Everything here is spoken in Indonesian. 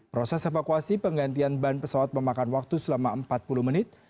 proses evakuasi penggantian ban pesawat memakan waktu selama empat puluh menit